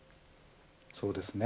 そうですね。